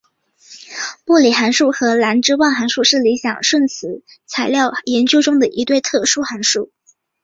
布里渊函数和郎之万函数是理想顺磁性材料研究中的一对特殊函数。